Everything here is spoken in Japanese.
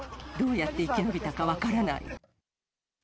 どうやって生き延びたか分からない。